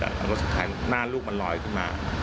แล้วรถสุดท้ายหน้าลูกมันลอยขึ้นมา